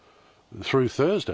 そうですね。